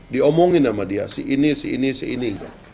diomongin sama dia si ini si ini si ini